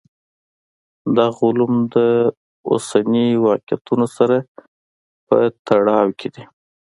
دغه علوم له اوسنیو واقعیتونو سره په تړاو کې دي.